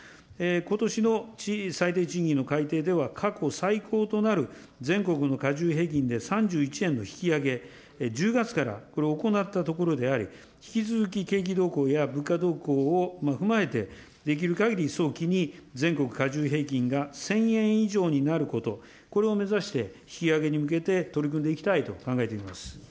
ことしの最低賃金の改定では、過去最高となる全国の加重平均で３１円の引き上げ、１０月からこれ、行ったところであり、引き続き景気動向や物価動向を踏まえて、できるかぎり早期に全国加重平均が１０００円以上になること、これを目指して、引き上げに向けて取り組んでいきたいと考えています。